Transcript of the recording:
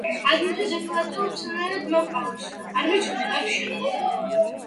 აგრეთვე დეკორატიულ მცენარედ მოჰყავთ.